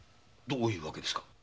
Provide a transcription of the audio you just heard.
どういう訳ですか？